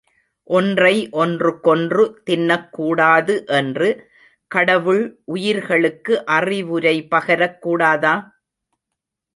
ஒன்றை ஒன்று கொன்று தின்னக் கூடாது என்று கடவுள் உயிர்களுக்கு அறிவுரை பகரக் கூடாதா?